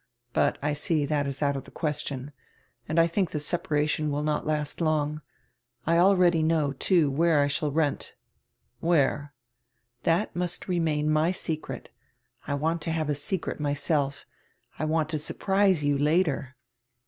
But, I see, that is out of tire question. And I think tire separation will not last long. I already know, too, where I shall rent." "Where?" "That nrust renrain my secret I w r ant to have a secret myself. I want to surprise you later."